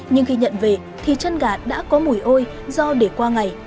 nhưng khi nhận về thì chân gà đã có mùi ôi do để qua ngày